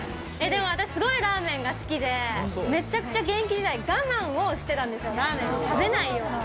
でも私、すごいラーメンが好きで、めちゃくちゃ現役時代、我慢をしてたんですよ、ラーメンを食べないように。